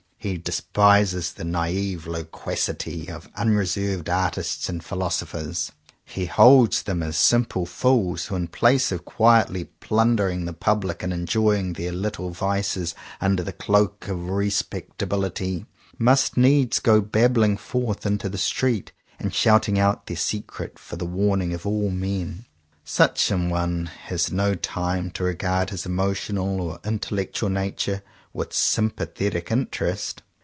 He despises the naive loquacity of unreserved artists and philosophers. He 19 CONFESSIONS OF TWO BROTHERS holds them as simple fools, who in place of quietly plundering the public and enjoying their little vices under the cloak of re spectability, must needs go babbling forth into the street, and shouting out their secrets for the warning of all men. Such an one has no time to regard his emotional or intellectual nature with "sym pathetic interest."